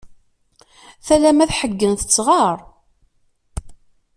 Tala ma tḥeggen tettɣar!